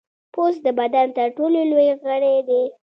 پوست د بدن تر ټولو لوی غړی دی.